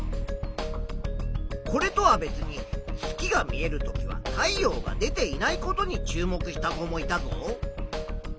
これとは別に月が見えるときは太陽が出ていないことに注目した子もいたぞ。